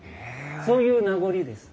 そういう名残です。